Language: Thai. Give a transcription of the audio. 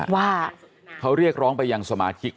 ผมเป็นรียกนายกได้ไง